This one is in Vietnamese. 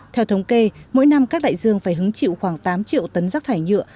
theo thống kê mỗi năm các đại dương phải hứng chịu khoảng tám triệu tấn rác thải nhựa